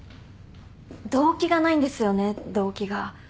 動機がないんですよね動機が。